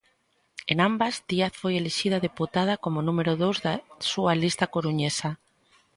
En ambas, Díaz foi elixida deputada como número dous da súa lista coruñesa.